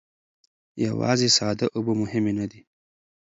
یوازې ساده اوبه مهمې نه دي.